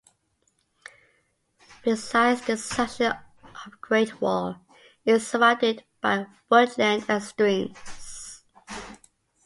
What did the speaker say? Besides, this section of Great Wall is surrounded by woodland and streams.